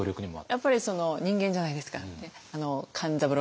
やっぱり人間じゃないですか勘三郎さんも。